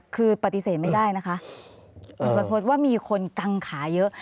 คือปฏิเสธไม่ได้นะคะคุณประพฤษว่ามีคนกังขาเยอะ